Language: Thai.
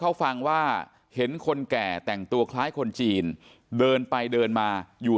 เขาฟังว่าเห็นคนแก่แต่งตัวคล้ายคนจีนเดินไปเดินมาอยู่